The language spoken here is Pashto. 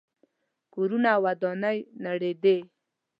کورونه او ودانۍ ونړېدې.